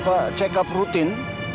papa cek up rutin